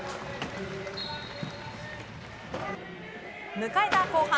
迎えた後半。